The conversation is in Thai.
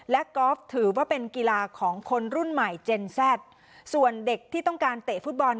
และกอล์ฟถือว่าเป็นกีฬาของคนรุ่นใหม่เจนแซดส่วนเด็กที่ต้องการเตะฟุตบอล